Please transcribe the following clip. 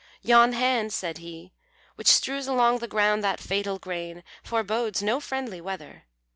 "Yon' hand," said he, "which strews along the ground That fatal grain, forbodes no friendly weather.